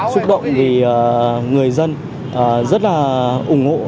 xúc động vì người dân rất là ủng hộ